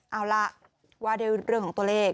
เอาล่ะว่าด้วยเรื่องของตัวเลข